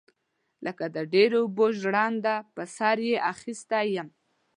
لکه د ډيرو اوبو ژرنده پر سر يې اخيستى يم.